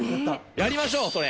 やりましょう、それ。